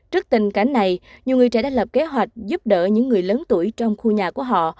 trước tình cảnh này nhiều người trẻ đã lập kế hoạch giúp đỡ những người lớn tuổi trong khu nhà của họ